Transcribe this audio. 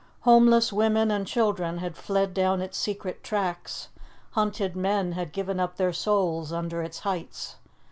Homeless women and children had fled down its secret tracks; hunted men had given up their souls under its heights.